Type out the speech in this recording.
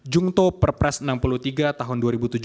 jungto perpres enam puluh tiga tahun dua ribu tujuh belas